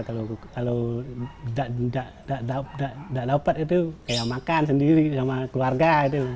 kalau tidak dapat saya makan sendiri sama keluarga